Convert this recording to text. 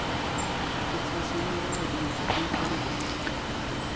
ⵉⴽⴽⴰ ⵜⵜ ⵉⵏⵏ ⵙⴰⵎⵉ ⵉⵔⴰ ⴰⴷ ⵉⴳ ⴰⵎⴷⴷⴰⴽⴽⵯⵍ ⵏ ⴼⴰⵔⵉⴷ.